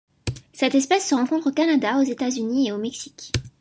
Cette espèce se rencontre au Canada, aux États-Unis et au Mexique.